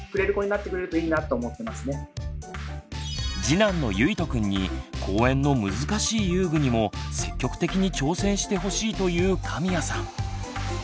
次男のゆいとくんに公園の難しい遊具にも積極的に挑戦してほしいという神谷さん。